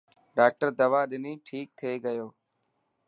ڊاڪٽر دوا ڏني ٺيڪ ٿي گيو.